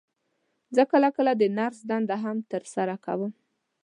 زه کله کله د نرس دنده هم تر سره کوم.